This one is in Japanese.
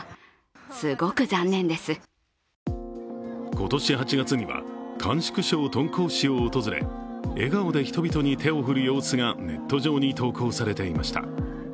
今年８月には甘粛省敦煌市を訪れ、笑顔で人々に手を振る様子がネット上に投稿されていました